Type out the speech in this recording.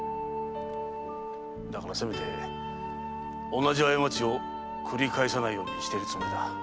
だからせめて同じ過ちを繰り返さないようにしているつもりだ。